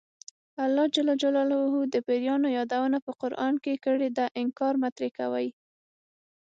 الله ج د پیریانو یادونه په قران کې کړې ده انکار مه ترې کوئ.